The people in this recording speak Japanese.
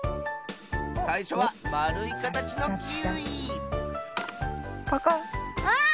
さいしょはまるいかたちのキウイパカッ。